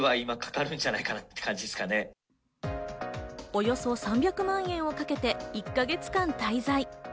およそ３００万円をかけて、１か月間滞在。